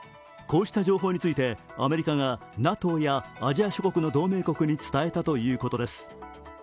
こうした情報についてアメリカがＮＡＴＯやアジア諸国の同盟国などに伝えたということです。